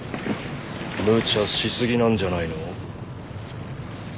無茶し過ぎなんじゃないの？